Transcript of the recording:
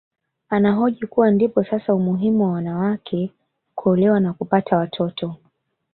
Anahoji kuwa ndipo sasa umuhimu wa mwanamke kuolewa na kupata watoto